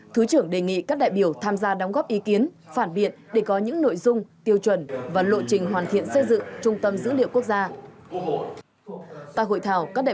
thứ trưởng đề nghị các đại biểu tham gia đóng góp ý kiến phản biện để có những nội dung tiêu chuẩn và lộ trình hoàn thiện xây dựng trung tâm dữ liệu quốc gia